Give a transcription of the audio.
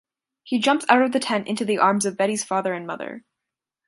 He jumps out of the tent into the arms of Betty’s father and mother.